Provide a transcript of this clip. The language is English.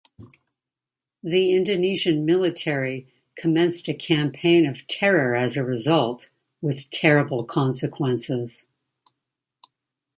The Indonesian military commenced a campaign of terror as a result, with terrible consequences.